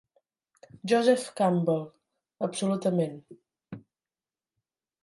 Joseph Campbell: Absolutament.